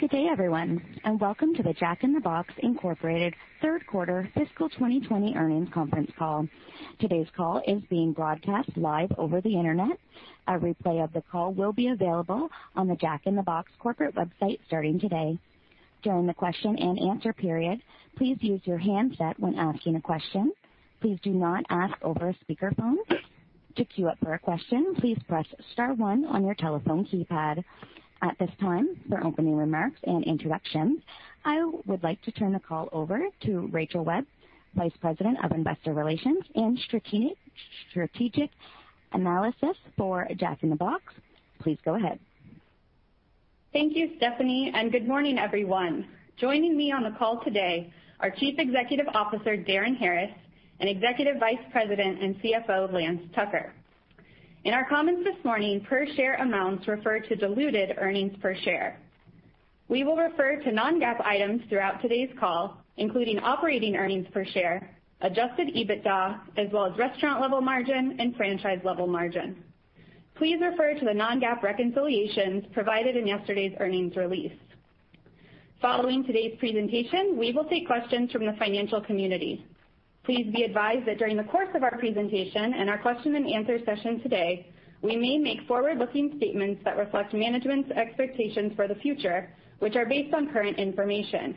Good day, everyone, and welcome to the Jack in the Box Incorporated third quarter fiscal 2020 earnings conference call. Today's call is being broadcast live over the internet. A replay of the call will be available on the Jack in the Box corporate website starting today. During the question-and-answer period, please use your handset when asking a question. Please do not ask over a speakerphone. To cue up for a question, please press star one on your telephone keypad. At this time, for opening remarks and introductions, I would like to turn the call over to Rachel Webb, Vice President of Investor Relations and Strategic Analysis for Jack in the Box. Please go ahead. Thank you, Stephanie, and good morning, everyone. Joining me on the call today are Chief Executive Officer Darin Harris and Executive Vice President and CFO Lance Tucker. In our comments this morning, per share amounts refer to diluted earnings per share. We will refer to non-GAAP items throughout today's call, including operating earnings per share, adjusted EBITDA, as well as restaurant-level margin and franchise-level margin. Please refer to the non-GAAP reconciliations provided in yesterday's earnings release. Following today's presentation, we will take questions from the financial community. Please be advised that during the course of our presentation and our question-and-answer session today, we may make forward-looking statements that reflect management's expectations for the future, which are based on current information.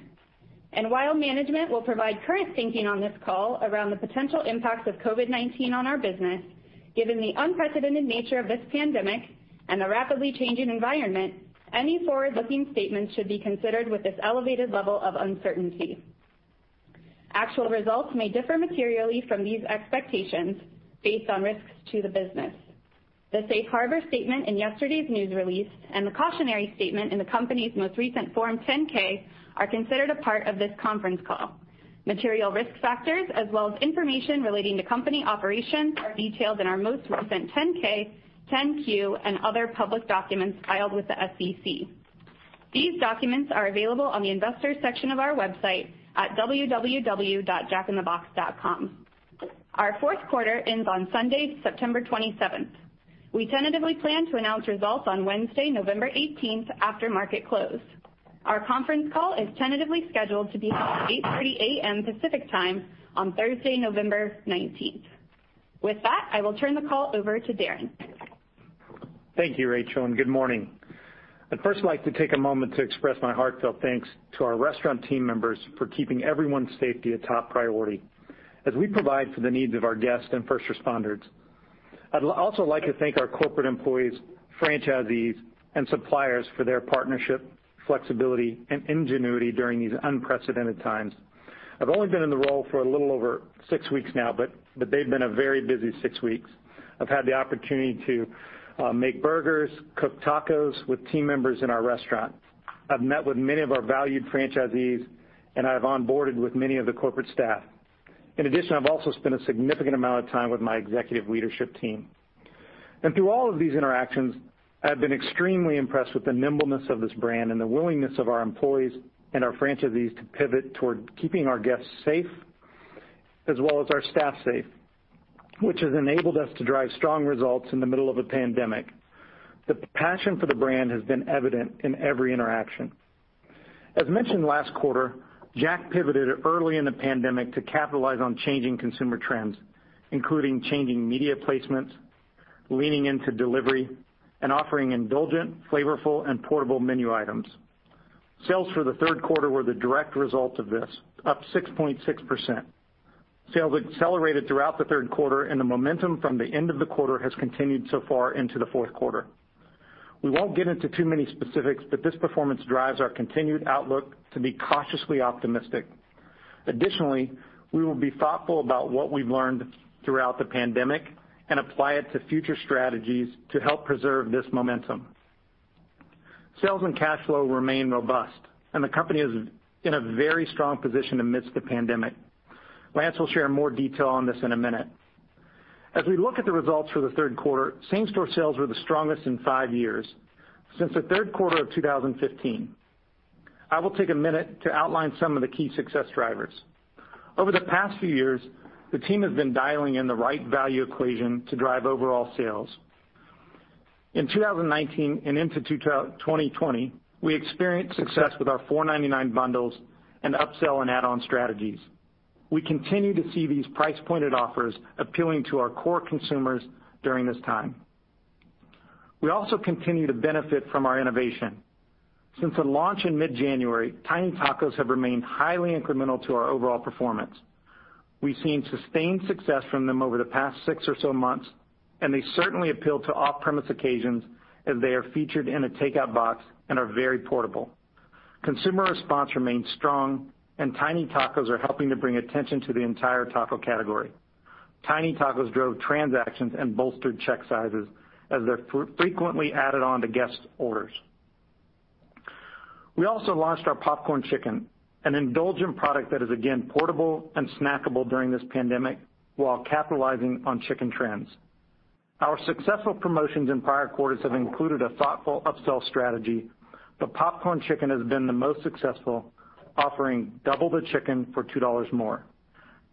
While management will provide current thinking on this call around the potential impacts of COVID-19 on our business, given the unprecedented nature of this pandemic and the rapidly changing environment, any forward-looking statements should be considered with this elevated level of uncertainty. Actual results may differ materially from these expectations based on risks to the business. The safe harbor statement in yesterday's news release and the cautionary statement in the company's most recent Form 10-K are considered a part of this conference call. Material risk factors, as well as information relating to company operations, are detailed in our most recent 10-K, 10-Q, and other public documents filed with the SEC. These documents are available on the investors section of our website at www.jackinthebox.com. Our fourth quarter ends on Sunday, September 27th. We tentatively plan to announce results on Wednesday, November 18th, after market close. Our conference call is tentatively scheduled to be held at 8:30 A.M. Pacific Time on Thursday, November 19th. With that, I will turn the call over to Darin. Thank you, Rachel, and good morning. I'd first like to take a moment to express my heartfelt thanks to our restaurant team members for keeping everyone's safety a top priority as we provide for the needs of our guests and first responders. I'd also like to thank our corporate employees, franchisees, and suppliers for their partnership, flexibility, and ingenuity during these unprecedented times. I've only been in the role for a little over six weeks now, but they've been a very busy six weeks. I've had the opportunity to make burgers, cook tacos with team members in our restaurant. I've met with many of our valued franchisees, and I have onboarded with many of the corporate staff. In addition, I've also spent a significant amount of time with my executive leadership team. Through all of these interactions, I have been extremely impressed with the nimbleness of this brand and the willingness of our employees and our franchisees to pivot toward keeping our guests safe, as well as our staff safe, which has enabled us to drive strong results in the middle of a pandemic. The passion for the brand has been evident in every interaction. As mentioned last quarter, Jack pivoted early in the pandemic to capitalize on changing consumer trends, including changing media placements, leaning into delivery, and offering indulgent, flavorful, and portable menu items. Sales for the third quarter were the direct result of this, up 6.6%. Sales accelerated throughout the third quarter, and the momentum from the end of the quarter has continued so far into the fourth quarter. We won't get into too many specifics, but this performance drives our continued outlook to be cautiously optimistic. Additionally, we will be thoughtful about what we've learned throughout the pandemic and apply it to future strategies to help preserve this momentum. Sales and cash flow remain robust, and the company is in a very strong position amidst the pandemic. Lance will share more detail on this in a minute. As we look at the results for the third quarter, same-store sales were the strongest in five years since the third quarter of 2015. I will take a minute to outline some of the key success drivers. Over the past few years, the team has been dialing in the right value equation to drive overall sales. In 2019 and into 2020, we experienced success with our $4.99 bundles and upsell and add-on strategies. We continue to see these price-pointed offers appealing to our core consumers during this time. We also continue to benefit from our innovation. Since the launch in mid-January, Tiny Tacos have remained highly incremental to our overall performance. We've seen sustained success from them over the past six or so months, and they certainly appeal to off-premise occasions as they are featured in a takeout box and are very portable. Consumer response remains strong, and Tiny Tacos are helping to bring attention to the entire taco category. Tiny Tacos drove transactions and bolstered check sizes as they're frequently added on to guest orders. We also launched our Popcorn Chicken, an indulgent product that is, again, portable and snackable during this pandemic while capitalizing on chicken trends. Our successful promotions in prior quarters have included a thoughtful upsell strategy. The Popcorn Chicken has been the most successful, offering double the chicken for $2 more.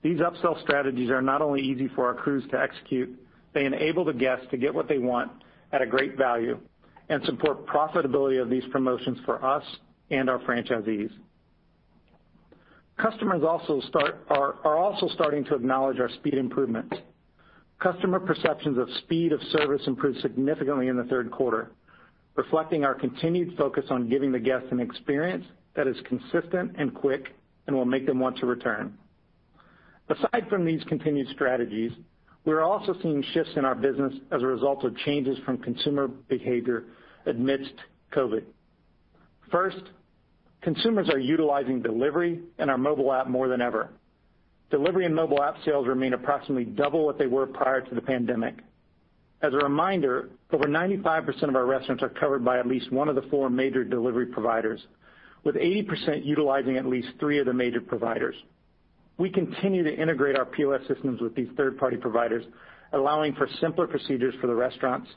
These upsell strategies are not only easy for our crews to execute, they enable the guests to get what they want at a great value and support profitability of these promotions for us and our franchisees. Customers are also starting to acknowledge our speed improvements. Customer perceptions of speed of service improved significantly in the third quarter, reflecting our continued focus on giving the guests an experience that is consistent and quick and will make them want to return. Aside from these continued strategies, we are also seeing shifts in our business as a result of changes from consumer behavior amidst COVID. First, consumers are utilizing delivery and our mobile app more than ever. Delivery and mobile app sales remain approximately double what they were prior to the pandemic. As a reminder, over 95% of our restaurants are covered by at least one of the four major delivery providers, with 80% utilizing at least three of the major providers. We continue to integrate our POS systems with these third-party providers, allowing for simpler procedures for the restaurants.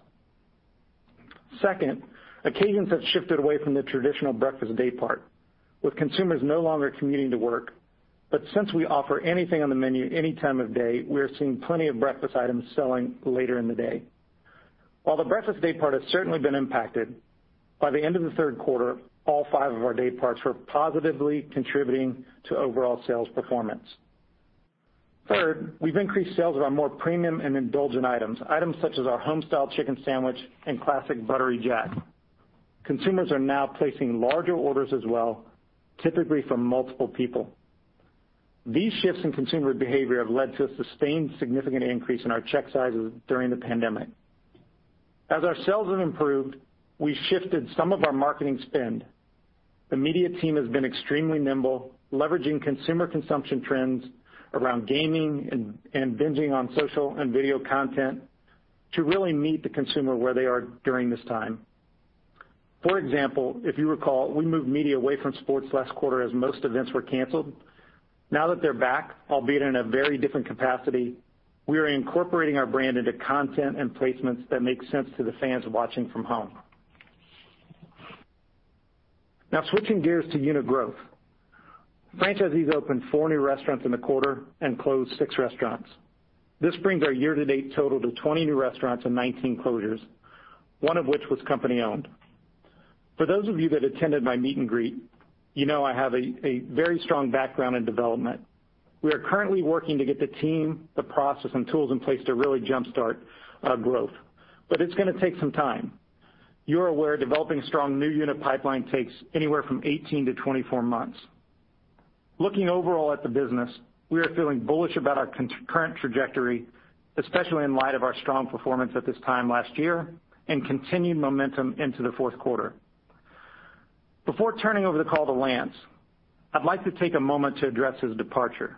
Second, occasions have shifted away from the traditional breakfast daypart, with consumers no longer commuting to work. But since we offer anything on the menu any time of day, we are seeing plenty of breakfast items selling later in the day. While the breakfast daypart has certainly been impacted, by the end of the third quarter, all five of our dayparts were positively contributing to overall sales performance. Third, we've increased sales of our more premium and indulgent items, items such as our Homestyle Chicken Sandwich and Classic Buttery Jack. Consumers are now placing larger orders as well, typically from multiple people. These shifts in consumer behavior have led to a sustained significant increase in our check sizes during the pandemic. As our sales have improved, we shifted some of our marketing spend. The media team has been extremely nimble, leveraging consumer consumption trends around gaming and binging on social and video content to really meet the consumer where they are during this time. For example, if you recall, we moved media away from sports last quarter as most events were canceled. Now that they're back, albeit in a very different capacity, we are incorporating our brand into content and placements that make sense to the fans watching from home. Now, switching gears to unit growth. Franchisees opened four new restaurants in the quarter and closed six restaurants. This brings our year-to-date total to 20 new restaurants and 19 closures, one of which was company-owned. For those of you that attended my meet-and-greet, you know I have a very strong background in development. We are currently working to get the team, the process, and tools in place to really jump-start growth, but it's going to take some time. You're aware developing a strong new unit pipeline takes anywhere from 18-24 months. Looking overall at the business, we are feeling bullish about our current trajectory, especially in light of our strong performance at this time last year and continued momentum into the fourth quarter. Before turning over the call to Lance, I'd like to take a moment to address his departure.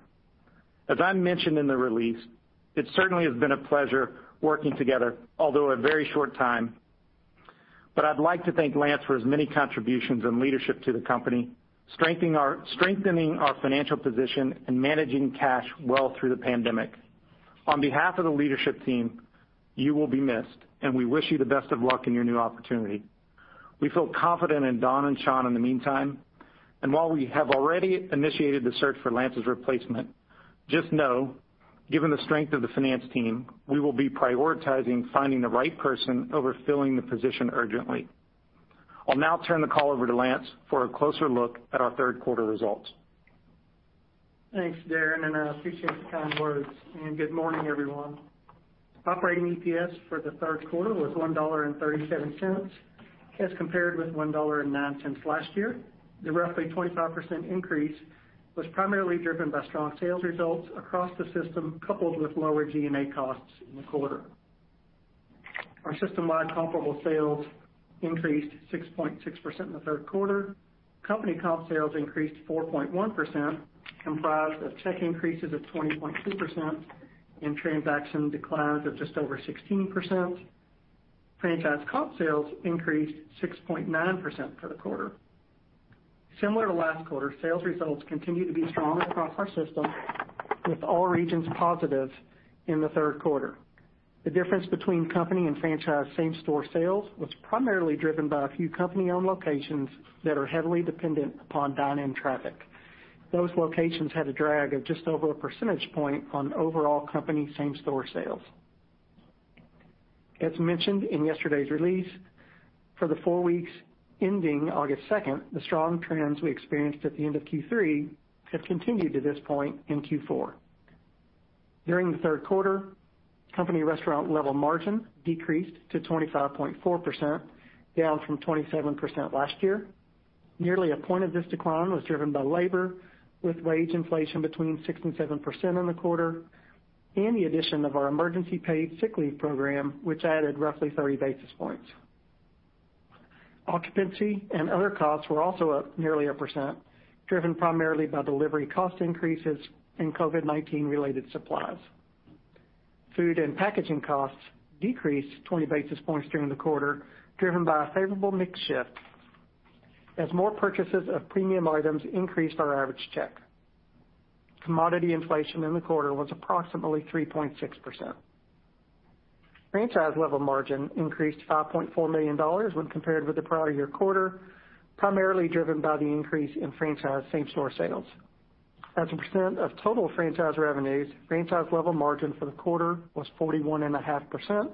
As I mentioned in the release, it certainly has been a pleasure working together, although a very short time. But I'd like to thank Lance for his many contributions and leadership to the company, strengthening our financial position and managing cash well through the pandemic. On behalf of the leadership team, you will be missed, and we wish you the best of luck in your new opportunity. We feel confident in Dawn and Sean in the meantime. And while we have already initiated the search for Lance's replacement, just know, given the strength of the finance team, we will be prioritizing finding the right person over filling the position urgently. I'll now turn the call over to Lance for a closer look at our third quarter results. Thanks, Darin, and I appreciate the kind words. Good morning, everyone. Operating EPS for the third quarter was $1.37 as compared with $1.09 last year. The roughly 25% increase was primarily driven by strong sales results across the system, coupled with lower G&A costs in the quarter. Our system-wide comparable sales increased 6.6% in the third quarter. Company comp sales increased 4.1%, comprised of check increases of 20.2% and transaction declines of just over 16%. Franchise comp sales increased 6.9% for the quarter. Similar to last quarter, sales results continue to be strong across our system, with all regions positive in the third quarter. The difference between company and franchise same-store sales was primarily driven by a few company-owned locations that are heavily dependent upon dine-in traffic. Those locations had a drag of just over a percentage point on overall company same-store sales. As mentioned in yesterday's release, for the four weeks ending August 2nd, the strong trends we experienced at the end of Q3 have continued to this point in Q4. During the third quarter, company-restaurant-level margin decreased to 25.4%, down from 27% last year. Nearly a point of this decline was driven by labor, with wage inflation between 6%-7% in the quarter in the addition of our emergency paid sick leave program, which added roughly 30 basis points. Occupancy and other costs were also up nearly a point, driven primarily by delivery cost increases and COVID-19-related supplies. Food and packaging costs decreased 20 basis points during the quarter, driven by a favorable mix shift as more purchases of premium items increased our average check. Commodity inflation in the quarter was approximately 3.6%. Franchise-level margin increased $5.4 million when compared with the prior year quarter, primarily driven by the increase in franchise same-store sales. As a percent of total franchise revenues, franchise-level margin for the quarter was 41.5%.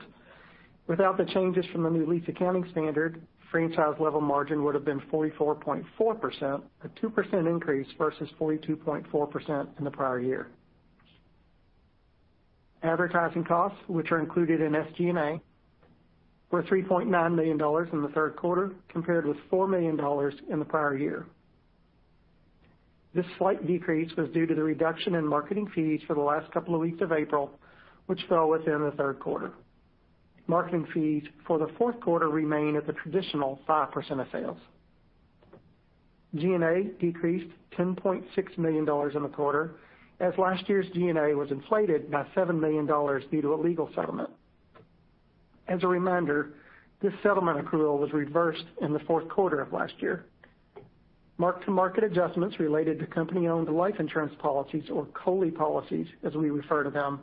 Without the changes from the new lease accounting standard, franchise-level margin would have been 44.4%, a 2% increase versus 42.4% in the prior year. Advertising costs, which are included in SG&A, were $3.9 million in the third quarter compared with $4 million in the prior year. This slight decrease was due to the reduction in marketing fees for the last couple of weeks of April, which fell within the third quarter. Marketing fees for the fourth quarter remain at the traditional 5% of sales. G&A decreased $10.6 million in the quarter as last year's G&A was inflated by $7 million due to a legal settlement. As a reminder, this settlement accrual was reversed in the fourth quarter of last year. Mark-to-market adjustments related to company-owned life insurance policies, or COLI policies as we refer to them,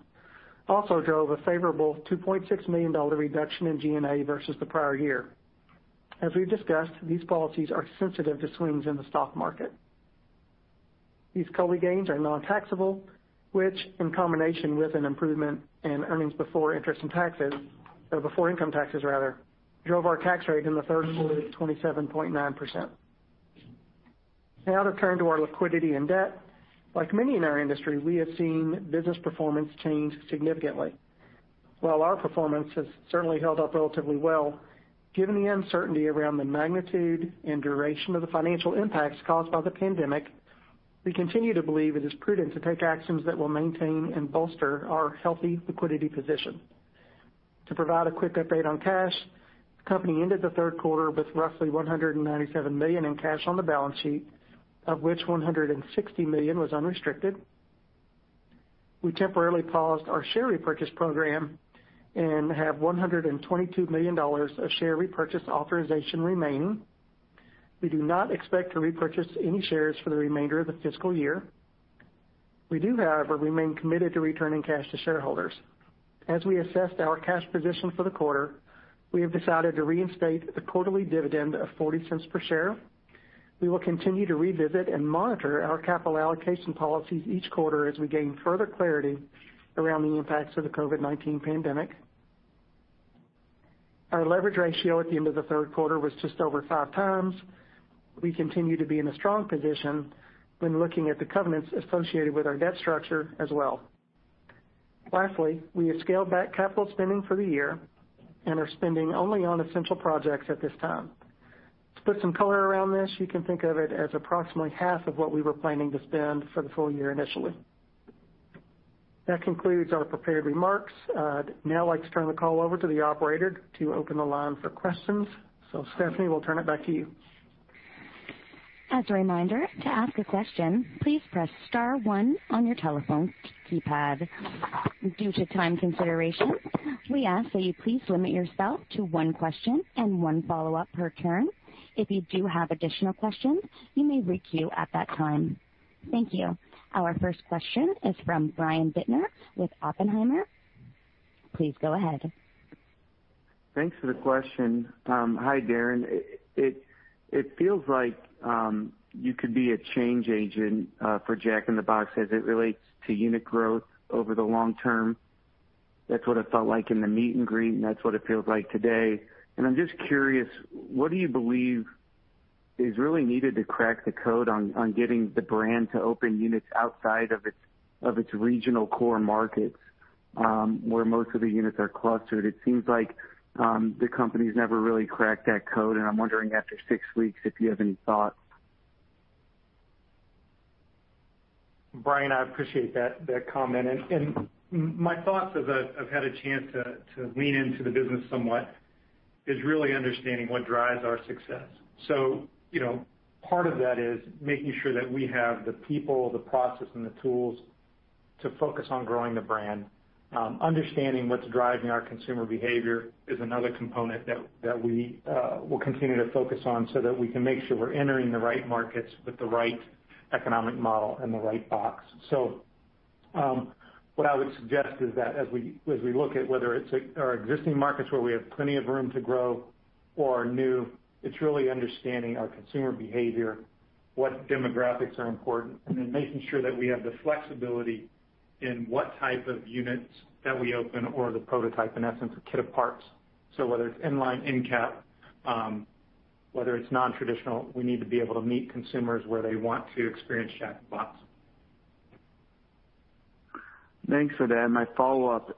also drove a favorable $2.6 million reduction in G&A versus the prior year. As we've discussed, these policies are sensitive to swings in the stock market. These COLI gains are non-taxable, which, in combination with an improvement in earnings before income taxes, rather, drove our tax rate in the third quarter to 27.9%. Now, to turn to our liquidity and debt. Like many in our industry, we have seen business performance change significantly. While our performance has certainly held up relatively well, given the uncertainty around the magnitude and duration of the financial impacts caused by the pandemic, we continue to believe it is prudent to take actions that will maintain and bolster our healthy liquidity position. To provide a quick update on cash, the company ended the third quarter with roughly $197 million in cash on the balance sheet, of which $160 million was unrestricted. We temporarily paused our share repurchase program and have $122 million of share repurchase authorization remaining. We do not expect to repurchase any shares for the remainder of the fiscal year. We do, however, remain committed to returning cash to shareholders. As we assessed our cash position for the quarter, we have decided to reinstate the quarterly dividend of $0.40 per share. We will continue to revisit and monitor our capital allocation policies each quarter as we gain further clarity around the impacts of the COVID-19 pandemic. Our leverage ratio at the end of the third quarter was just over five times. We continue to be in a strong position when looking at the covenants associated with our debt structure as well. Lastly, we have scaled back capital spending for the year and are spending only on essential projects at this time. To put some color around this, you can think of it as approximately half of what we were planning to spend for the full year initially. That concludes our prepared remarks. Now, I'd like to turn the call over to the operator to open the line for questions. So, Stephanie, we'll turn it back to you. As a reminder, to ask a question, please press star one on your telephone keypad. Due to time considerations, we ask that you please limit yourself to one question and one follow-up per turn. If you do have additional questions, you may requeue at that time. Thank you. Our first question is from Brian Bittner with Oppenheimer. Please go ahead. Thanks for the question. Hi, Darin. It feels like you could be a change agent for Jack in the Box as it relates to unit growth over the long term. That's what it felt like in the meet-and-greet, and that's what it feels like today. And I'm just curious, what do you believe is really needed to crack the code on getting the brand to open units outside of its regional core markets where most of the units are clustered? It seems like the company's never really cracked that code, and I'm wondering after six weeks if you have any thoughts. Brian, I appreciate that comment. My thoughts, as I've had a chance to lean into the business somewhat, is really understanding what drives our success. Part of that is making sure that we have the people, the process, and the tools to focus on growing the brand. Understanding what's driving our consumer behavior is another component that we will continue to focus on so that we can make sure we're entering the right markets with the right economic model and the right box. What I would suggest is that as we look at whether it's our existing markets where we have plenty of room to grow or new, it's really understanding our consumer behavior, what demographics are important, and then making sure that we have the flexibility in what type of units that we open or the prototype, in essence, a kit of parts. Whether it's inline, end-cap, whether it's non-traditional, we need to be able to meet consumers where they want to experience Jack in the Box. Thanks for that. My follow-up,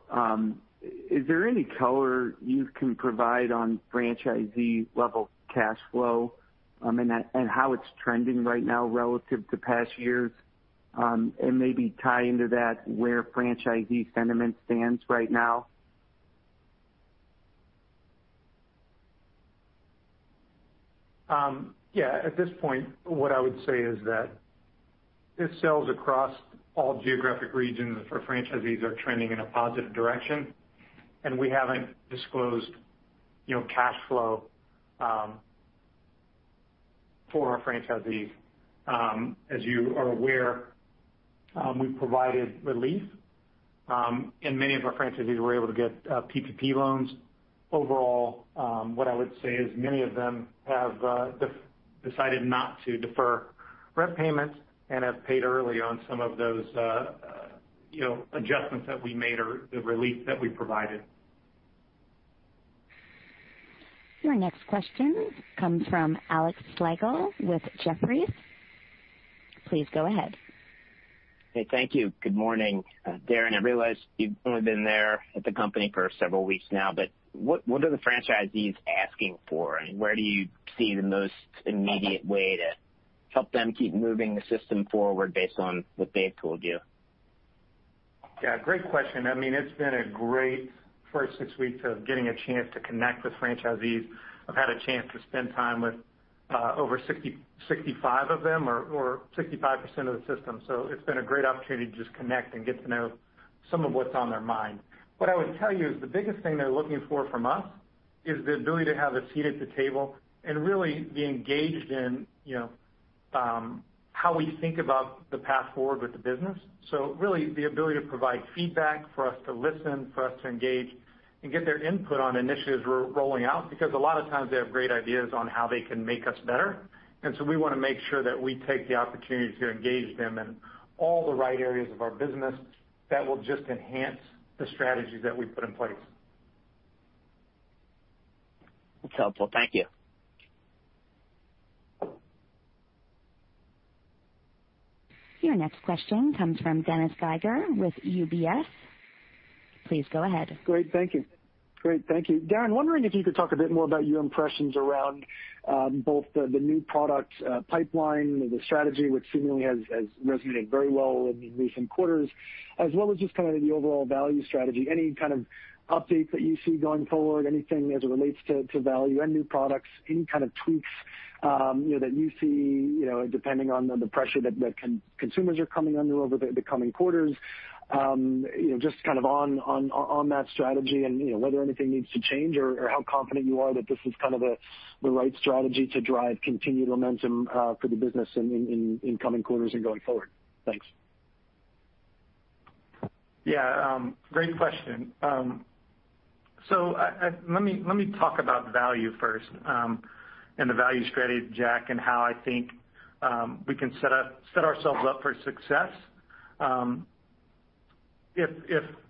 is there any color you can provide on franchisee-level cash flow and how it's trending right now relative to past years and maybe tie into that where franchisee sentiment stands right now? Yeah. At this point, what I would say is that it sells across all geographic regions for franchisees are trending in a positive direction, and we haven't disclosed cash flow for our franchisees. As you are aware, we've provided relief, and many of our franchisees were able to get PPP loans. Overall, what I would say is many of them have decided not to defer rent payments and have paid early on some of those adjustments that we made or the relief that we provided. Your next question comes from Alex Slagle with Jefferies. Please go ahead. Hey, thank you. Good morning, Darin. I realize you've only been there at the company for several weeks now, but what are the franchisees asking for? And where do you see the most immediate way to help them keep moving the system forward based on what they've told you? Yeah, great question. I mean, it's been a great first six weeks of getting a chance to connect with franchisees. I've had a chance to spend time with over 65 of them or 65% of the system. So it's been a great opportunity to just connect and get to know some of what's on their mind. What I would tell you is the biggest thing they're looking for from us is the ability to have a seat at the table and really be engaged in how we think about the path forward with the business. So really, the ability to provide feedback for us to listen, for us to engage, and get their input on initiatives we're rolling out because a lot of times they have great ideas on how they can make us better. And so we want to make sure that we take the opportunity to engage them in all the right areas of our business that will just enhance the strategies that we put in place. That's helpful. Thank you. Your next question comes from Dennis Geiger with UBS. Please go ahead. Great. Thank you. Great. Thank you. Darin, wondering if you could talk a bit more about your impressions around both the new product pipeline, the strategy which seemingly has resonated very well in the recent quarters, as well as just kind of the overall value strategy. Any kind of updates that you see going forward, anything as it relates to value and new products, any kind of tweaks that you see depending on the pressure that consumers are coming under over the coming quarters, just kind of on that strategy and whether anything needs to change or how confident you are that this is kind of the right strategy to drive continued momentum for the business in coming quarters and going forward. Thanks. Yeah, great question. So let me talk about value first and the value strategy, Jack, and how I think we can set ourselves up for success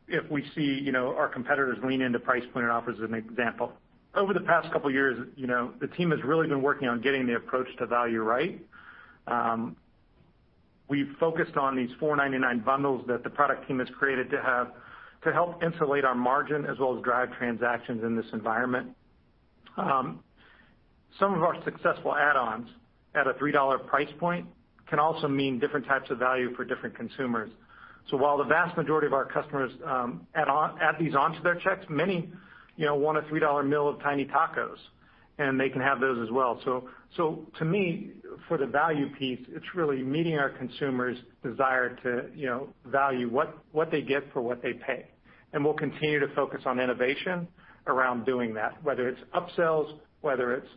if we see our competitors lean into price point and offers, as an example. Over the past couple of years, the team has really been working on getting the approach to value right. We've focused on these $4.99 bundles that the product team has created to help insulate our margin as well as drive transactions in this environment. Some of our successful add-ons at a $3 price point can also mean different types of value for different consumers. So while the vast majority of our customers add these onto their checks, many want a $3 meal of Tiny Tacos, and they can have those as well. So to me, for the value piece, it's really meeting our consumers' desire to value what they get for what they pay. And we'll continue to focus on innovation around doing that, whether it's upsells, whether it's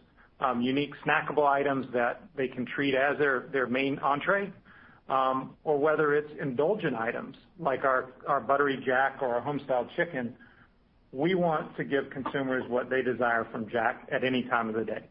unique snackable items that they can treat as their main entrée, or whether it's indulgent items like our Buttery Jack or our Homestyle Chicken. We want to give consumers what they desire from Jack at any time of the day.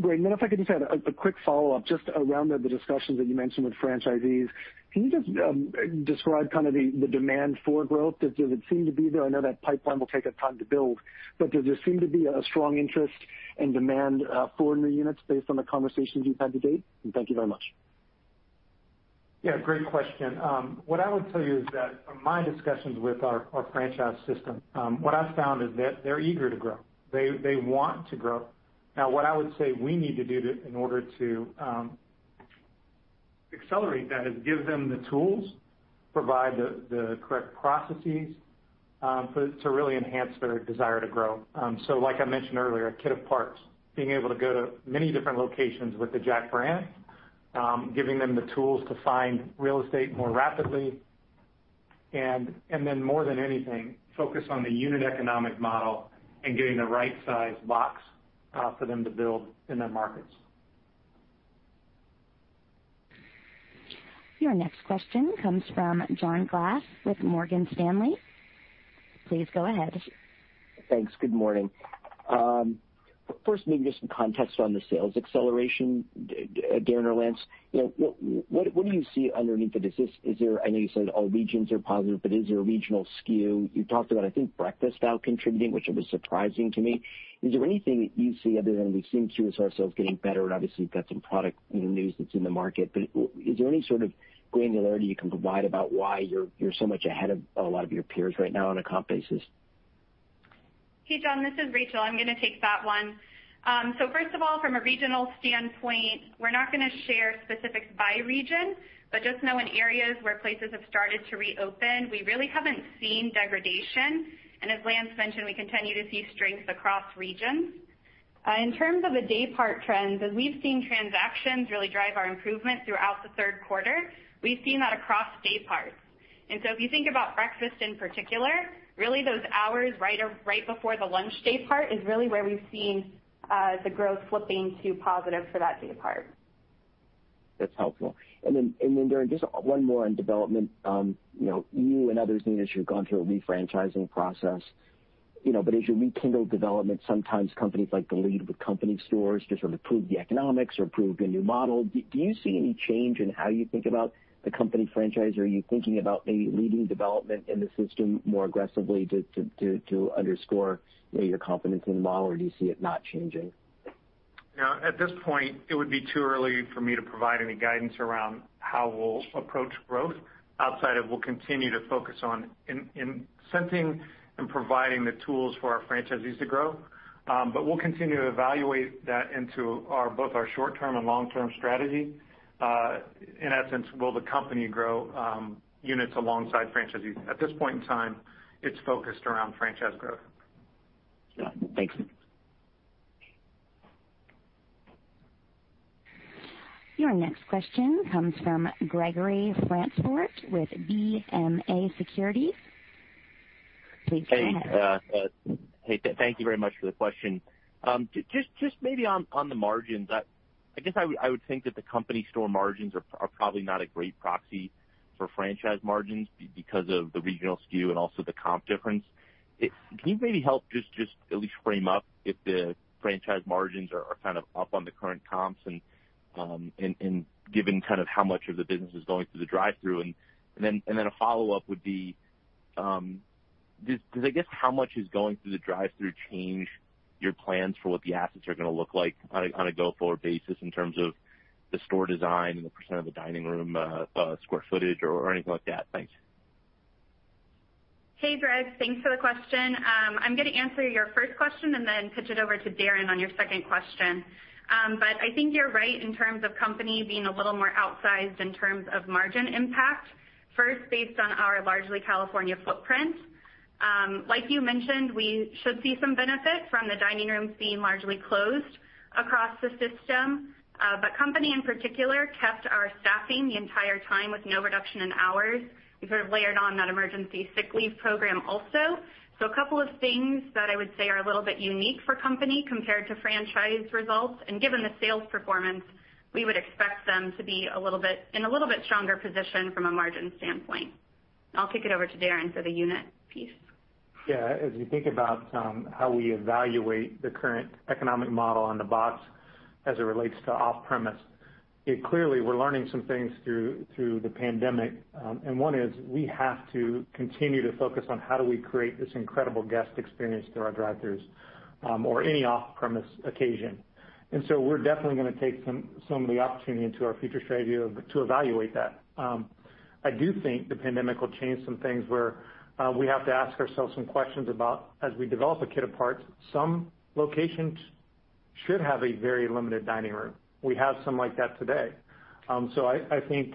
Great. And then if I could just add a quick follow-up just around the discussions that you mentioned with franchisees, can you just describe kind of the demand for growth? Does it seem to be there? I know that pipeline will take a time to build, but does there seem to be a strong interest and demand for new units based on the conversations you've had to date? And thank you very much. Yeah, great question. What I would tell you is that from my discussions with our franchise system, what I've found is that they're eager to grow. They want to grow. Now, what I would say we need to do in order to accelerate that is give them the tools, provide the correct processes to really enhance their desire to grow. So like I mentioned earlier, a kit of parts, being able to go to many different locations with the Jack brand, giving them the tools to find real estate more rapidly, and then more than anything, focus on the unit economic model and getting the right-sized box for them to build in their markets. Your next question comes from John Glass with Morgan Stanley. Please go ahead. Thanks. Good morning. First, maybe just some context on the sales acceleration, Darin or Lance. What do you see underneath it? I know you said all regions are positive, but is there a regional skew? You talked about, I think, breakfast value contributing, which was surprising to me. Is there anything that you see other than we've seen QSR sales getting better, and obviously, you've got some product news that's in the market, but is there any sort of granularity you can provide about why you're so much ahead of a lot of your peers right now on a comp basis? Hey, John. This is Rachel. I'm going to take that one. So first of all, from a regional standpoint, we're not going to share specifics by region, but just know in areas where places have started to reopen, we really haven't seen degradation. And as Lance mentioned, we continue to see strength across regions. In terms of the day-part trends, as we've seen transactions really drive our improvement throughout the third quarter, we've seen that across dayparts. And so if you think about breakfast in particular, really, those hours right before the lunch daypart is really where we've seen the growth flipping to positive for that daypart. That's helpful. Then, Darin, just one more on development. You and others know that you've gone through a refranchising process, but as you rekindle development, sometimes companies like to lead with company stores to sort of prove the economics or prove a new model. Do you see any change in how you think about the company franchise? Are you thinking about maybe leading development in the system more aggressively to underscore your confidence in the model, or do you see it not changing? Now, at this point, it would be too early for me to provide any guidance around how we'll approach growth outside of we'll continue to focus on incenting and providing the tools for our franchisees to grow. But we'll continue to evaluate that into both our short-term and long-term strategy. In essence, will the company grow units alongside franchisees? At this point in time, it's focused around franchise growth. Got it. Thanks. Your next question comes from Gregory Francfort with BofA Securities. Please go ahead. Hey. Hey. Thank you very much for the question. Just maybe on the margins, I guess I would think that the company store margins are probably not a great proxy for franchise margins because of the regional skew and also the comp difference. Can you maybe help just at least frame up if the franchise margins are kind of up on the current comps and given kind of how much of the business is going through the drive-through? And then a follow-up would be, does I guess how much is going through the drive-through change your plans for what the assets are going to look like on a go-forward basis in terms of the store design and the percent of the dining room square footage or anything like that? Thanks. Hey, Greg. Thanks for the question. I'm going to answer your first question and then pitch it over to Darin on your second question. But I think you're right in terms of company being a little more outsized in terms of margin impact, first based on our largely California footprint. Like you mentioned, we should see some benefit from the dining rooms being largely closed across the system. But company in particular kept our staffing the entire time with no reduction in hours. We sort of layered on that emergency sick leave program also. So a couple of things that I would say are a little bit unique for company compared to franchise results. And given the sales performance, we would expect them to be in a little bit stronger position from a margin standpoint. I'll kick it over to Darin for the unit piece. Yeah. As you think about how we evaluate the current economic model on the box as it relates to off-premise, clearly, we're learning some things through the pandemic. And one is we have to continue to focus on how do we create this incredible guest experience through our drive-throughs or any off-premise occasion. And so we're definitely going to take some of the opportunity into our future strategy to evaluate that. I do think the pandemic will change some things where we have to ask ourselves some questions about as we develop a kit of parts, some locations should have a very limited dining room. We have some like that today. I think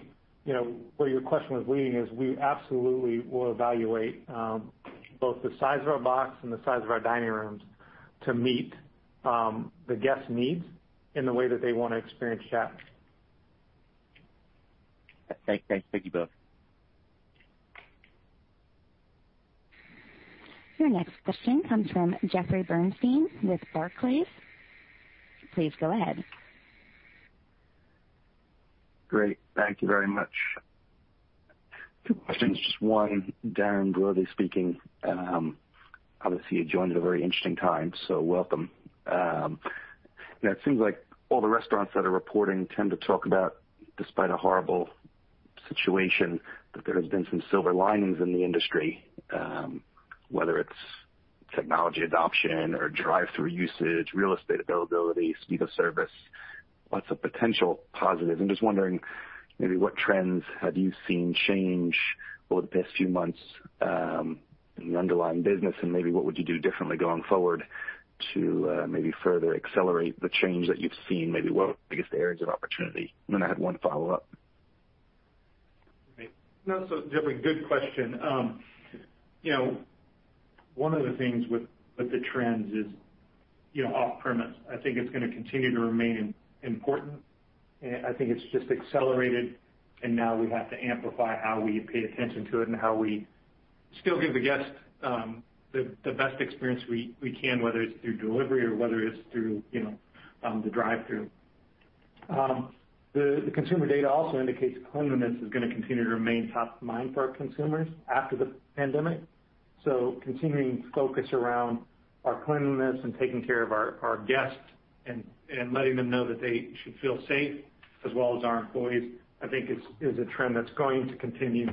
where your question was leading is we absolutely will evaluate both the size of our box and the size of our dining rooms to meet the guests' needs in the way that they want to experience Jack. Thanks. Thank you both. Your next question comes from Jeffrey Bernstein with Barclays. Please go ahead. Great. Thank you very much. Two questions. Just one, Darin broadly speaking, obviously, you joined at a very interesting time, so welcome. It seems like all the restaurants that are reporting tend to talk about, despite a horrible situation, that there has been some silver linings in the industry, whether it's technology adoption or drive-through usage, real estate availability, speed of service, lots of potential positives. I'm just wondering maybe what trends have you seen change over the past few months in the underlying business, and maybe what would you do differently going forward to maybe further accelerate the change that you've seen? Maybe what are the biggest areas of opportunity? And then I had one follow-up. Great. No, so Jeffrey, good question. One of the things with the trends is off-premise. I think it's going to continue to remain important. I think it's just accelerated, and now we have to amplify how we pay attention to it and how we still give the guests the best experience we can, whether it's through delivery or whether it's through the drive-through. The consumer data also indicates cleanliness is going to continue to remain top of mind for our consumers after the pandemic. So continuing focus around our cleanliness and taking care of our guests and letting them know that they should feel safe as well as our employees, I think, is a trend that's going to continue.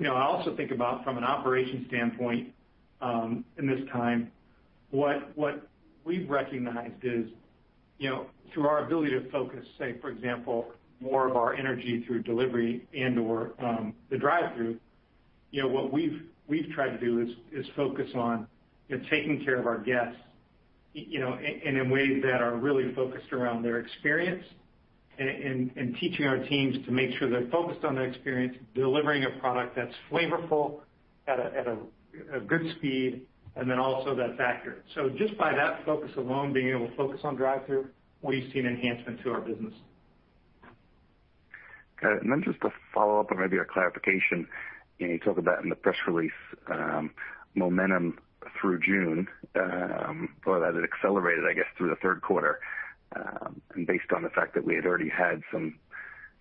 I also think about, from an operations standpoint in this time, what we've recognized is through our ability to focus, say, for example, more of our energy through delivery and/or the drive-through, what we've tried to do is focus on taking care of our guests in ways that are really focused around their experience and teaching our teams to make sure they're focused on their experience, delivering a product that's flavorful at a good speed, and then also that's accurate. So just by that focus alone, being able to focus on drive-through, we've seen enhancement to our business. Got it. And then just a follow-up and maybe a clarification. You talked about in the press release momentum through June or that it accelerated, I guess, through the third quarter. And based on the fact that we had already had some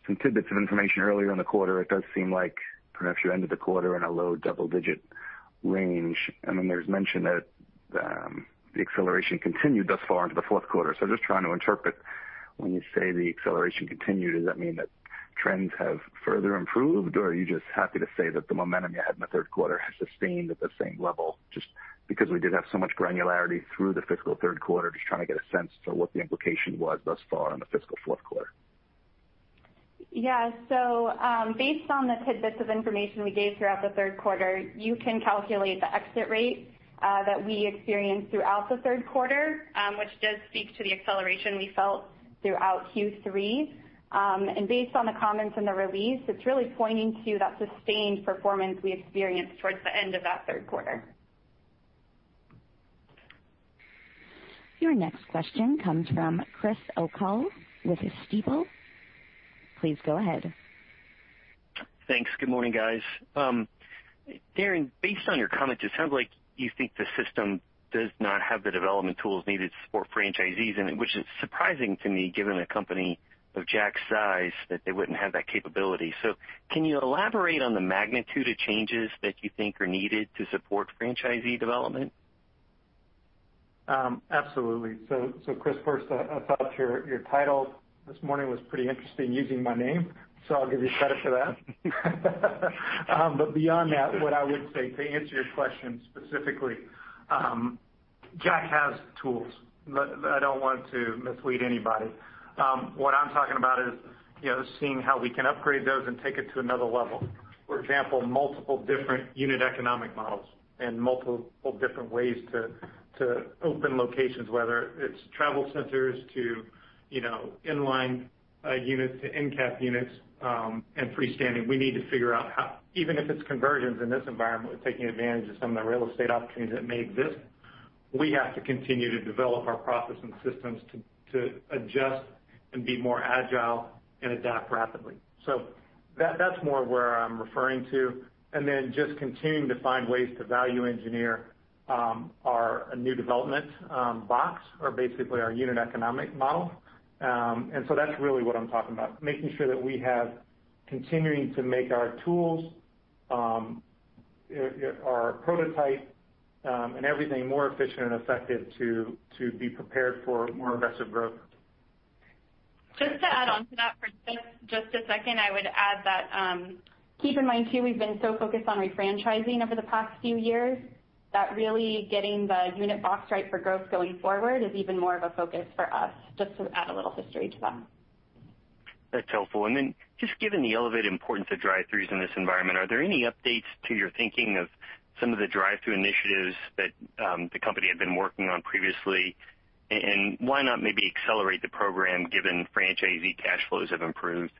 tidbits of information earlier in the quarter, it does seem like perhaps you ended the quarter in a low double-digit range. And then there's mention that the acceleration continued thus far into the fourth quarter. So just trying to interpret, when you say the acceleration continued, does that mean that trends have further improved, or are you just happy to say that the momentum you had in the third quarter has sustained at the same level just because we did have so much granularity through the fiscal third quarter, just trying to get a sense for what the implication was thus far in the fiscal fourth quarter? Yeah. So based on the tidbits of information we gave throughout the third quarter, you can calculate the exit rate that we experienced throughout the third quarter, which does speak to the acceleration we felt throughout Q3. And based on the comments in the release, it's really pointing to that sustained performance we experienced toward the end of that third quarter. Your next question comes from Chris O'Cull with Stifel. Please go ahead. Thanks. Good morning, guys. Darin, based on your comment, it sounds like you think the system does not have the development tools needed to support franchisees, which is surprising to me given a company of Jack's size that they wouldn't have that capability. So can you elaborate on the magnitude of changes that you think are needed to support franchisee development? Absolutely. So Chris, first, I thought your title this morning was pretty interesting, using my name, so I'll give you credit for that. But beyond that, what I would say to answer your question specifically, Jack has tools. I don't want to mislead anybody. What I'm talking about is seeing how we can upgrade those and take it to another level. For example, multiple different unit economic models and multiple different ways to open locations, whether it's travel centers to inline units to end-cap units and freestanding. We need to figure out how, even if it's conversions in this environment, we're taking advantage of some of the real estate opportunities that may exist. We have to continue to develop our process and systems to adjust and be more agile and adapt rapidly. So that's more where I'm referring to. Then just continuing to find ways to value engineer our new development box or basically our unit economic model. So that's really what I'm talking about, making sure that we have continuing to make our tools, our prototype, and everything more efficient and effective to be prepared for more aggressive growth. Just to add on to that for just a second, I would add that, keep in mind, too, we've been so focused on refranchising over the past few years that really getting the unit box right for growth going forward is even more of a focus for us, just to add a little history to that. That's helpful. And then just given the elevated importance of drive-throughs in this environment, are there any updates to your thinking of some of the drive-through initiatives that the company had been working on previously? And why not maybe accelerate the program given franchisee cash flows have improved?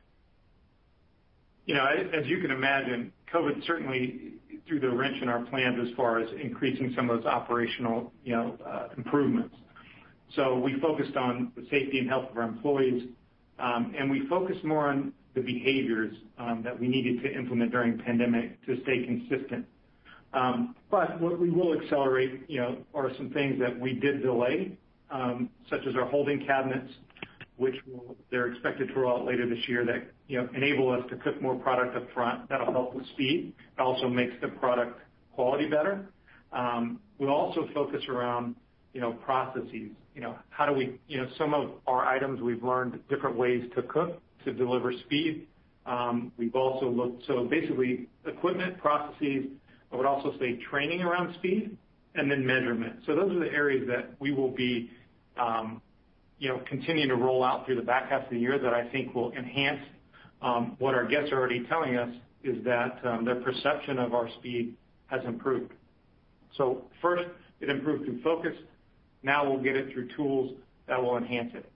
As you can imagine, COVID certainly threw the wrench in our plans as far as increasing some of those operational improvements. So we focused on the safety and health of our employees, and we focused more on the behaviors that we needed to implement during the pandemic to stay consistent. But what we will accelerate are some things that we did delay, such as our holding cabinets, which they're expected to roll out later this year that enable us to cook more product upfront. That'll help with speed. It also makes the product quality better. We'll also focus around processes. How do we some of our items, we've learned different ways to cook to deliver speed. We've also looked so basically, equipment, processes. I would also say training around speed and then measurement. So those are the areas that we will be continuing to roll out through the back half of the year that I think will enhance what our guests are already telling us is that their perception of our speed has improved. So first, it improved through focus. Now, we'll get it through tools that will enhance it.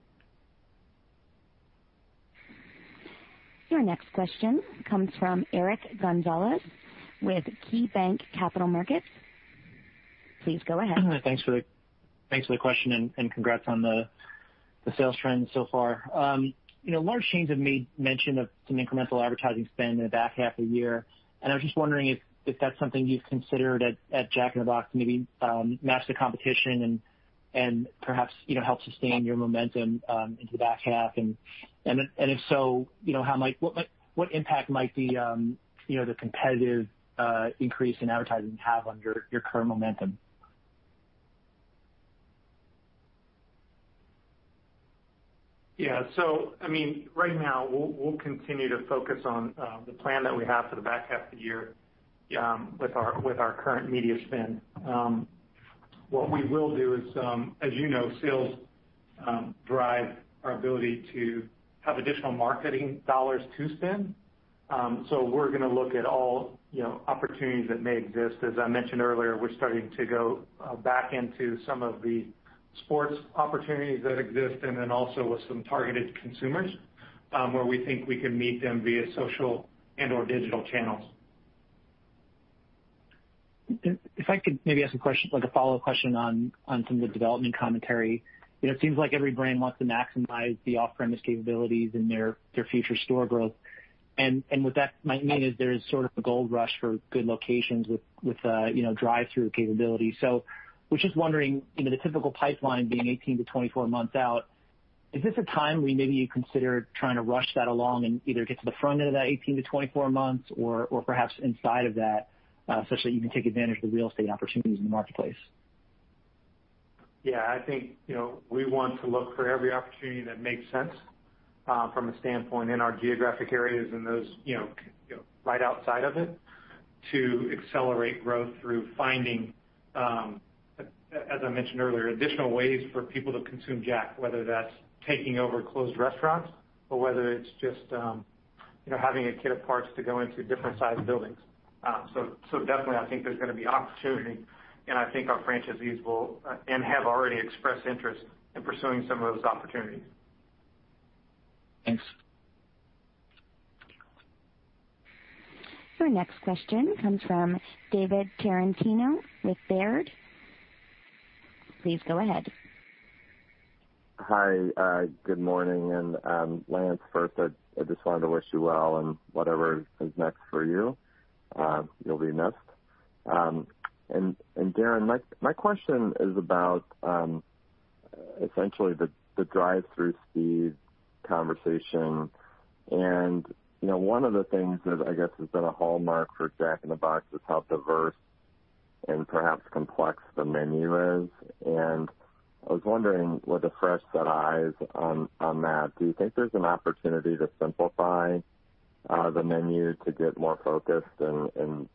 Your next question comes from Eric Gonzalez with KeyBanc Capital Markets. Please go ahead. Thanks for the question and congrats on the sales trends so far. Large chains have made mention of some incremental advertising spend in the back half of the year. I was just wondering if that's something you've considered at Jack in the Box to maybe match the competition and perhaps help sustain your momentum into the back half. If so, what impact might the competitive increase in advertising have on your current momentum? Yeah. So I mean, right now, we'll continue to focus on the plan that we have for the back half of the year with our current media spend. What we will do is, as you know, sales drive our ability to have additional marketing dollars to spend. So we're going to look at all opportunities that may exist. As I mentioned earlier, we're starting to go back into some of the sports opportunities that exist and then also with some targeted consumers where we think we can meet them via social and/or digital channels. If I could maybe ask a follow-up question on some of the development commentary, it seems like every brand wants to maximize the off-premise capabilities and their future store growth. What that might mean is there's sort of a gold rush for good locations with drive-through capabilities. We're just wondering, the typical pipeline being 18-24 months out, is this a time where maybe you consider trying to rush that along and either get to the front end of that 18-24 months or perhaps inside of that such that you can take advantage of the real estate opportunities in the marketplace? Yeah. I think we want to look for every opportunity that makes sense from a standpoint in our geographic areas and those right outside of it to accelerate growth through finding, as I mentioned earlier, additional ways for people to consume Jack, whether that's taking over closed restaurants or whether it's just having a kit of parts to go into different-sized buildings. So definitely, I think there's going to be opportunity, and I think our franchisees will and have already expressed interest in pursuing some of those opportunities. Thanks. Your next question comes from David Tarantino with Baird. Please go ahead. Hi. Good morning. And Lance, first, I just wanted to wish you well and whatever is next for you. You'll be missed. And Darin, my question is about essentially the drive-through speed conversation. And one of the things that, I guess, has been a hallmark for Jack in the Box is how diverse and perhaps complex the menu is. And I was wondering with a fresh set of eyes on that, do you think there's an opportunity to simplify the menu to get more focused and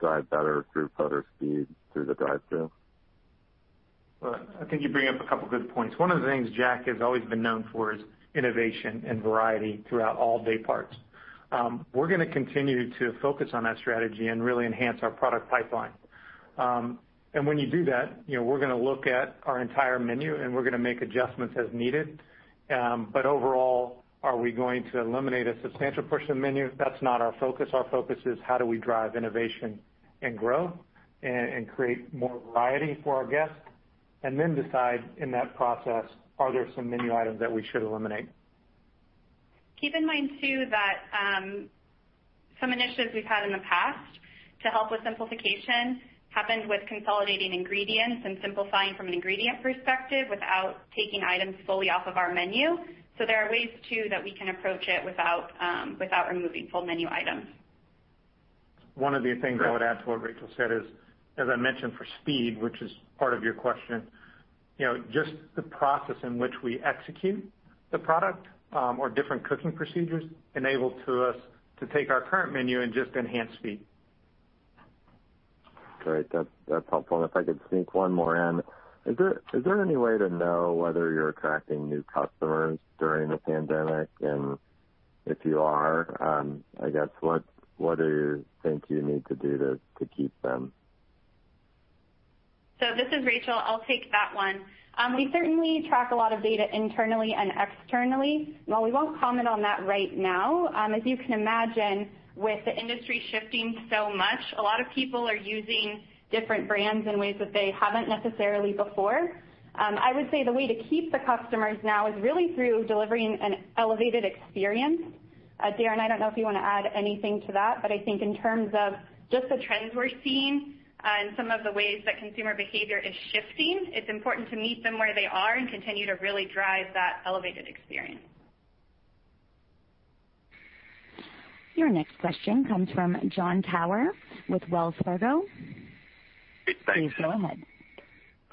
drive better throughput speed through the drive-through? Well, I think you bring up a couple of good points. One of the things Jack has always been known for is innovation and variety throughout all dayparts. We're going to continue to focus on that strategy and really enhance our product pipeline. And when you do that, we're going to look at our entire menu, and we're going to make adjustments as needed. But overall, are we going to eliminate a substantial portion of the menu? That's not our focus. Our focus is how do we drive innovation and grow and create more variety for our guests and then decide in that process, are there some menu items that we should eliminate? Keep in mind, too, that some initiatives we've had in the past to help with simplification happened with consolidating ingredients and simplifying from an ingredient perspective without taking items fully off of our menu. There are ways, too, that we can approach it without removing full menu items. One of the things I would add to what Rachel said is, as I mentioned, for speed, which is part of your question, just the process in which we execute the product or different cooking procedures enabled us to take our current menu and just enhance speed. Great. That's helpful. And if I could sneak one more in, is there any way to know whether you're attracting new customers during the pandemic? And if you are, I guess, what do you think you need to do to keep them? So this is Rachel. I'll take that one. We certainly track a lot of data internally and externally. Well, we won't comment on that right now. As you can imagine, with the industry shifting so much, a lot of people are using different brands in ways that they haven't necessarily before. I would say the way to keep the customers now is really through delivering an elevated experience. Darin, I don't know if you want to add anything to that, but I think in terms of just the trends we're seeing and some of the ways that consumer behavior is shifting, it's important to meet them where they are and continue to really drive that elevated experience. Your next question comes from Jon Tower with Wells Fargo. Hey, thanks. Please go ahead.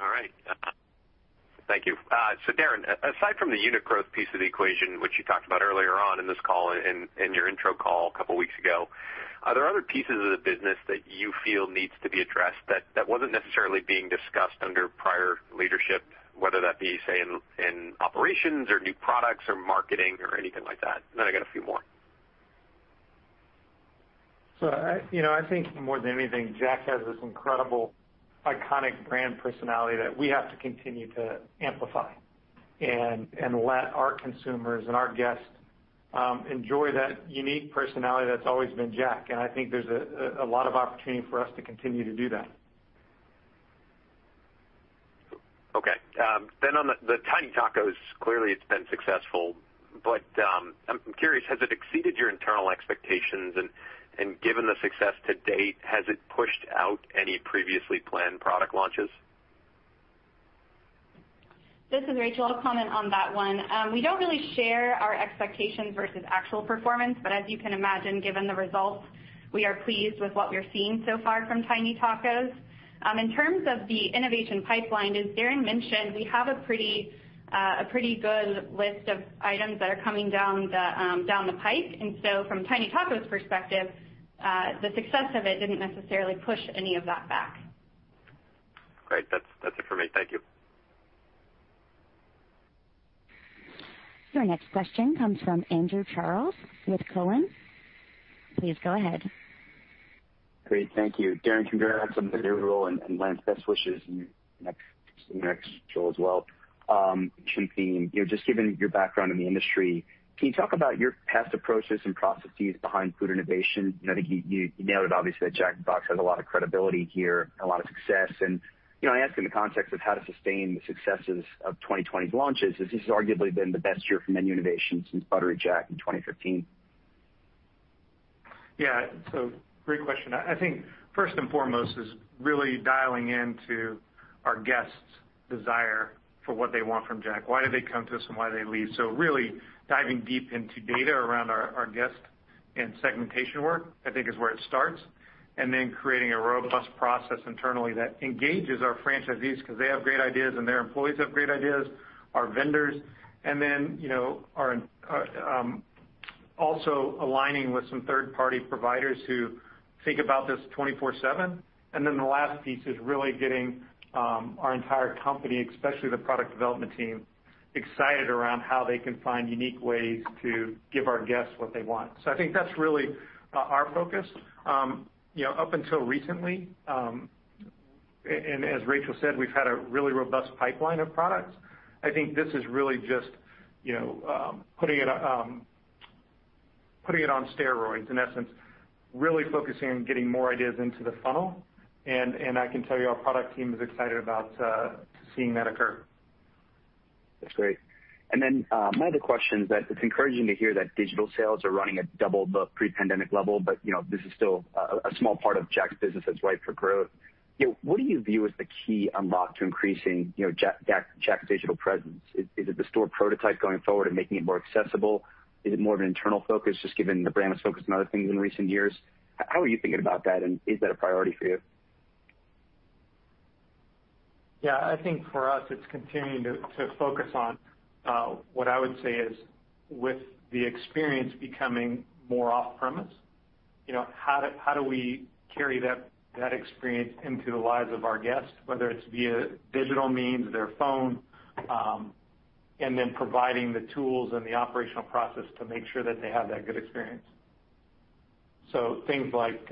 All right. Thank you. So Darin, aside from the unit growth piece of the equation, which you talked about earlier on in this call and your intro call a couple of weeks ago, are there other pieces of the business that you feel needs to be addressed that wasn't necessarily being discussed under prior leadership, whether that be, say, in operations or new products or marketing or anything like that? And then I got a few more. I think more than anything, Jack has this incredible, iconic brand personality that we have to continue to amplify and let our consumers and our guests enjoy that unique personality that's always been Jack. I think there's a lot of opportunity for us to continue to do that. Okay. Then on the Tiny Tacos, clearly, it's been successful. But I'm curious, has it exceeded your internal expectations? And given the success to date, has it pushed out any previously planned product launches? This is Rachel. I'll comment on that one. We don't really share our expectations versus actual performance. But as you can imagine, given the results, we are pleased with what we're seeing so far from Tiny Tacos. In terms of the innovation pipeline, as Darin mentioned, we have a pretty good list of items that are coming down the pike. And so from Tiny Tacos' perspective, the success of it didn't necessarily push any of that back. Great. That's it for me. Thank you. Your next question comes from Andrew Charles with Cowen. Please go ahead. Great. Thank you. Darin, congrats on the new role. And Lance, best wishes in your next role as well. Darin, just given your background in the industry, can you talk about your past approaches and processes behind food innovation? I think you nailed it, obviously, that Jack in the Box has a lot of credibility here and a lot of success. And I ask in the context of how to sustain the successes of 2020's launches, has this arguably been the best year for menu innovation since Buttery Jack in 2015? Yeah. So great question. I think first and foremost is really dialing into our guests' desire for what they want from Jack, why do they come to us, and why do they leave. So really diving deep into data around our guest and segmentation work, I think, is where it starts, and then creating a robust process internally that engages our franchisees because they have great ideas, and their employees have great ideas, our vendors, and then also aligning with some third-party providers who think about this 24/7. And then the last piece is really getting our entire company, especially the product development team, excited around how they can find unique ways to give our guests what they want. So I think that's really our focus. Up until recently, and as Rachel said, we've had a really robust pipeline of products. I think this is really just putting it on steroids, in essence, really focusing on getting more ideas into the funnel. I can tell you our product team is excited about seeing that occur. That's great. Then my other question is that it's encouraging to hear that digital sales are running at double the pre-pandemic level, but this is still a small part of Jack's business that's ripe for growth. What do you view as the key unlock to increasing Jack's digital presence? Is it the store prototype going forward and making it more accessible? Is it more of an internal focus, just given the brand's focus on other things in recent years? How are you thinking about that? Is that a priority for you? Yeah. I think for us, it's continuing to focus on what I would say is with the experience becoming more off-premise, how do we carry that experience into the lives of our guests, whether it's via digital means, their phone, and then providing the tools and the operational process to make sure that they have that good experience. So things like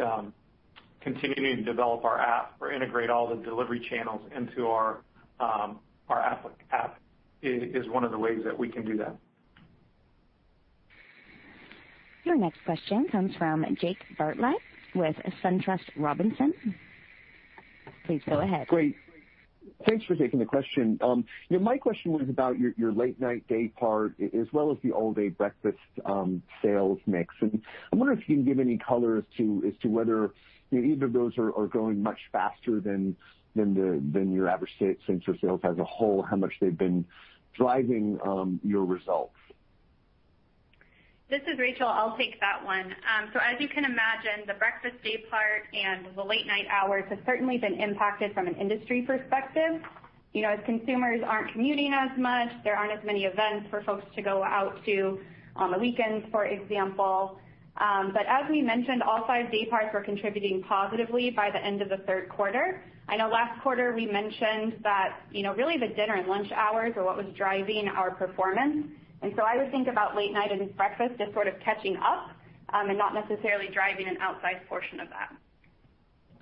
continuing to develop our app or integrate all the delivery channels into our app is one of the ways that we can do that. Your next question comes from Jake Bartlett with SunTrust Robinson. Please go ahead. Great. Thanks for taking the question. My question was about your late-night daypart as well as the all-day breakfast sales mix. I'm wondering if you can give any colors as to whether either of those are going much faster than your average sales as a whole, how much they've been driving your results? This is Rachel. I'll take that one. So as you can imagine, the breakfast daypart and the late-night hours have certainly been impacted from an industry perspective. As consumers aren't commuting as much, there aren't as many events for folks to go out to on the weekends, for example. But as we mentioned, all five dayparts were contributing positively by the end of the third quarter. I know last quarter, we mentioned that really the dinner and lunch hours were what was driving our performance. And so I would think about late-night and breakfast as sort of catching up and not necessarily driving an outsized portion of that.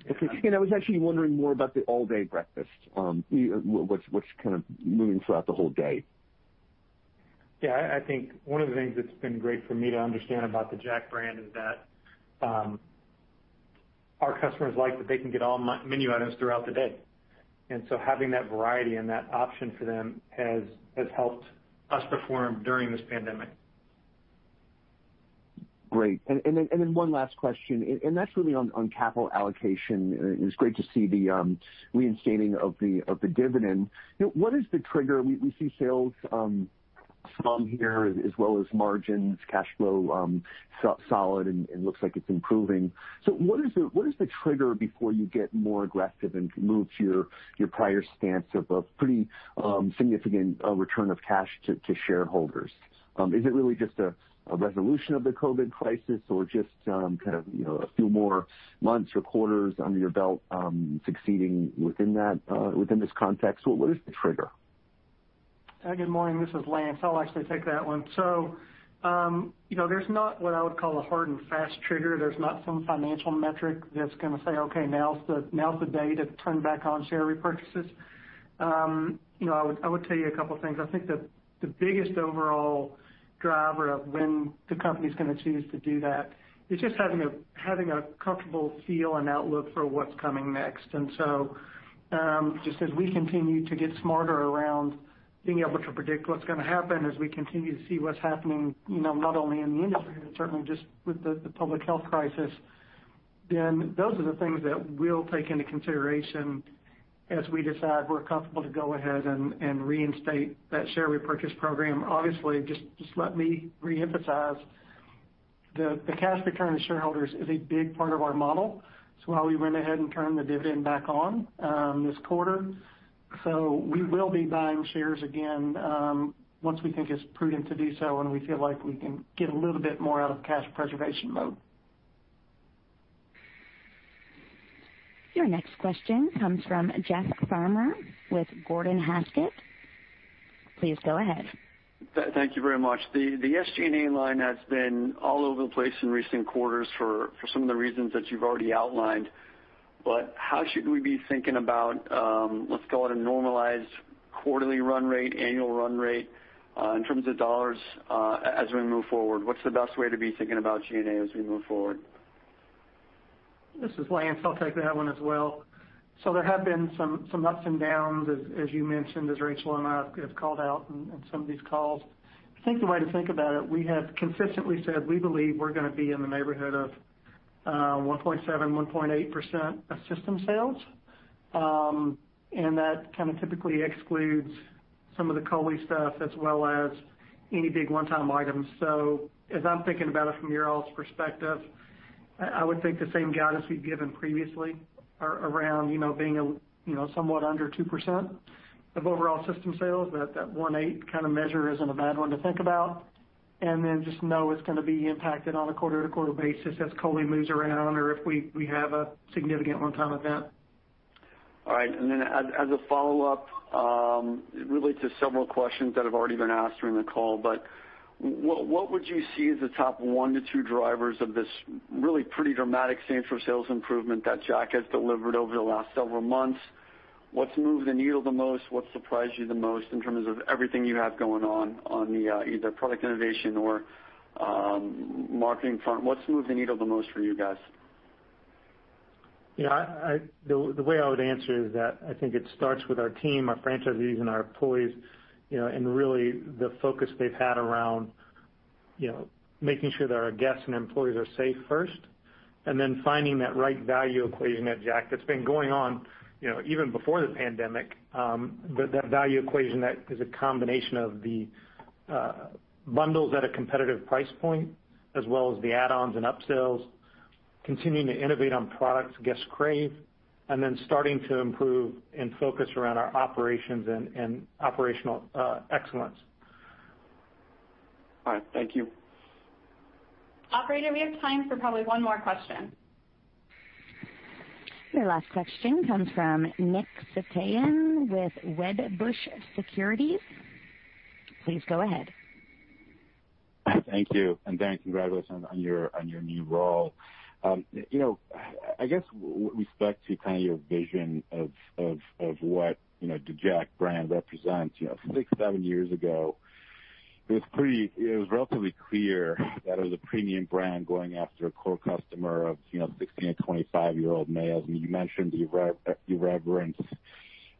Okay. I was actually wondering more about the all-day breakfast, what's kind of moving throughout the whole day? Yeah. I think one of the things that's been great for me to understand about the Jack brand is that our customers like that they can get all menu items throughout the day. And so having that variety and that option for them has helped us perform during this pandemic. Great. And then one last question, and that's really on capital allocation. It's great to see the reinstating of the dividend. What is the trigger? We see sales slump here as well as margins, cash flow solid, and looks like it's improving. So what is the trigger before you get more aggressive and move to your prior stance of a pretty significant return of cash to shareholders? Is it really just a resolution of the COVID crisis or just kind of a few more months or quarters under your belt succeeding within this context? What is the trigger? Good morning. This is Lance. I'll actually take that one. So there's not what I would call a hard and fast trigger. There's not some financial metric that's going to say, "Okay. Now's the day to turn back on share repurchases." I would tell you a couple of things. I think the biggest overall driver of when the company's going to choose to do that is just having a comfortable feel and outlook for what's coming next. And so just as we continue to get smarter around being able to predict what's going to happen, as we continue to see what's happening not only in the industry but certainly just with the public health crisis, then those are the things that we'll take into consideration as we decide we're comfortable to go ahead and reinstate that share repurchase program. Obviously, just let me reemphasize, the cash return to shareholders is a big part of our model. So why we went ahead and turned the dividend back on this quarter. So we will be buying shares again once we think it's prudent to do so and we feel like we can get a little bit more out of cash preservation mode. Your next question comes from Jeff Farmer with Gordon Haskett. Please go ahead. Thank you very much. The SG&A line has been all over the place in recent quarters for some of the reasons that you've already outlined. How should we be thinking about, let's call it, a normalized quarterly run rate, annual run rate in terms of dollars as we move forward? What's the best way to be thinking about G&A as we move forward? This is Lance. I'll take that one as well. So there have been some ups and downs, as you mentioned, as Rachel and I have called out in some of these calls. I think the way to think about it, we have consistently said we believe we're going to be in the neighborhood of 1.7%-1.8% of system sales. And that kind of typically excludes some of the COLI stuff as well as any big one-time items. So as I'm thinking about it from your all's perspective, I would think the same guidance we've given previously around being somewhat under 2% of overall system sales, that 1.8 kind of measure isn't a bad one to think about, and then just know it's going to be impacted on a quarter-to-quarter basis as COLI moves around or if we have a significant one-time event. All right. And then as a follow-up, related to several questions that have already been asked during the call, but what would you see as the top one to two drivers of this really pretty dramatic sales improvement that Jack has delivered over the last several months? What's moved the needle the most? What surprised you the most in terms of everything you have going on on either product innovation or marketing front? What's moved the needle the most for you guys? Yeah. The way I would answer is that I think it starts with our team, our franchisees, and our employees, and really the focus they've had around making sure that our guests and employees are safe first, and then finding that right value equation at Jack that's been going on even before the pandemic, that value equation that is a combination of the bundles at a competitive price point as well as the add-ons and upsells, continuing to innovate on products guests crave, and then starting to improve and focus around our operations and operational excellence. All right. Thank you. Operator, we have time for probably one more question. Your last question comes from Nick Setyan with Wedbush Securities. Please go ahead. Thank you. And Darin, congratulations on your new role. I guess with respect to kind of your vision of what the Jack brand represents, 6-7 years ago, it was relatively clear that it was a premium brand going after a core customer of 16-25-year-old males. And you mentioned the irreverence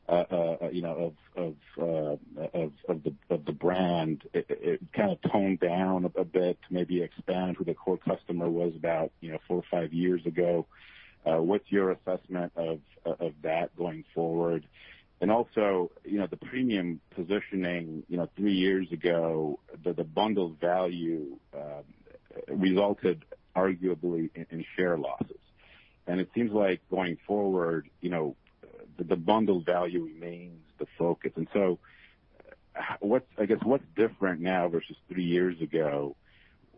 of the brand. It kind of toned down a bit to maybe expand who the core customer was about 4 or 5 years ago. What's your assessment of that going forward? And also, the premium positioning 3 years ago, the bundle value resulted arguably in share losses. And it seems like going forward, the bundle value remains the focus. And so I guess what's different now versus 3 years ago?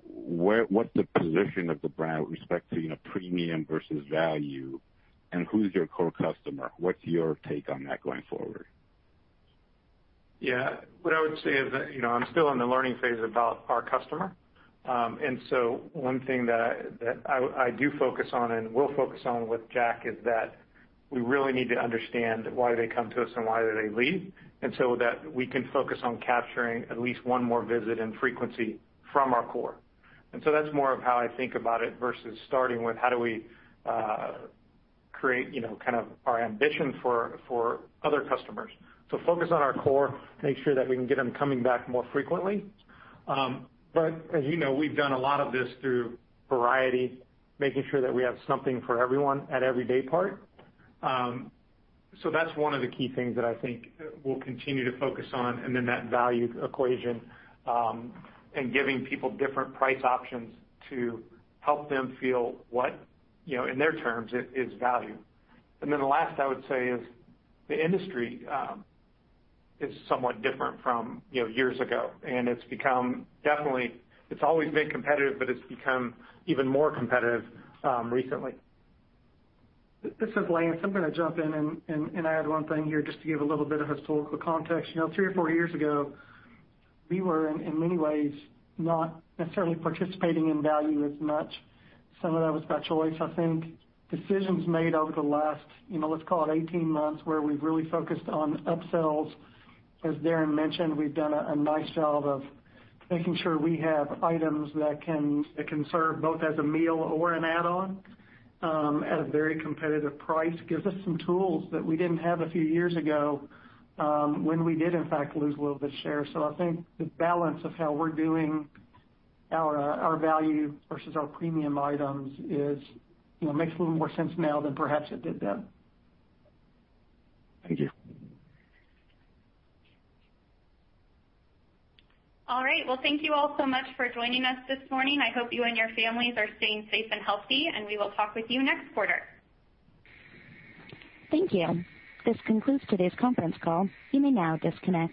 What's the position of the brand with respect to premium versus value? And who's your core customer? What's your take on that going forward? Yeah. What I would say is that I'm still in the learning phase about our customer. And so one thing that I do focus on and will focus on with Jack is that we really need to understand why do they come to us and why do they leave, and so that we can focus on capturing at least one more visit and frequency from our core. And so that's more of how I think about it versus starting with how do we create kind of our ambition for other customers. So focus on our core, make sure that we can get them coming back more frequently. But as you know, we've done a lot of this through variety, making sure that we have something for everyone at every daypart. That's one of the key things that I think we'll continue to focus on, and then that value equation and giving people different price options to help them feel what, in their terms, is value. Then the last I would say is the industry is somewhat different from years ago. It's always been competitive, but it's become even more competitive recently. This is Lance. I'm going to jump in and add one thing here just to give a little bit of historical context. Three or four years ago, we were, in many ways, not necessarily participating in value as much. Some of that was by choice, I think. Decisions made over the last, let's call it, 18 months where we've really focused on upsells. As Darin mentioned, we've done a nice job of making sure we have items that can serve both as a meal or an add-on at a very competitive price, gives us some tools that we didn't have a few years ago when we did, in fact, lose a little bit of share. So I think the balance of how we're doing our value versus our premium items makes a little more sense now than perhaps it did then. Thank you. All right. Well, thank you all so much for joining us this morning. I hope you and your families are staying safe and healthy, and we will talk with you next quarter. Thank you. This concludes today's conference call. You may now disconnect.